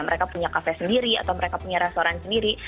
mereka punya kafe sendiri atau mereka punya restoran sendiri